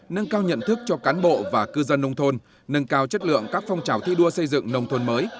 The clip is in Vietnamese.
nâng cao nhận thức cho cán bộ và cư dân nông thôn nâng cao chất lượng các phong trào thi đua xây dựng nông thôn mới